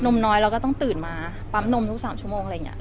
มน้อยเราก็ต้องตื่นมาปั๊มนมทุก๓ชั่วโมงอะไรอย่างนี้